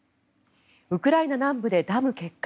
ウクライナ南部でダム決壊。